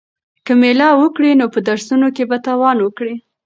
که مېله وکړې نو په درسونو کې به تاوان وکړې.